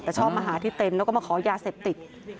แต่ชอบมาหาที่เต็นต์แล้วก็มาขอยาเสพติด